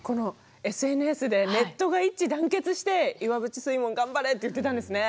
このＳＮＳでネットが一致団結して「岩淵水門頑張れ」って言ってたんですね。